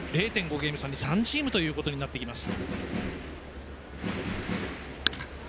０．５ゲーム差に３チームということになってきます。